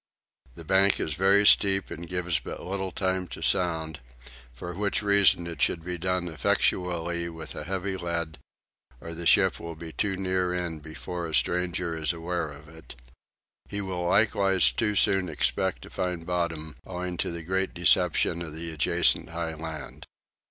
The bank is very steep and gives but little time to sound; for which reason it should be done effectually with a heavy lead, or a ship will be too near in before a stranger is aware of it: he will likewise too soon expect to find bottom, owing to the great deception of the adjacent high land.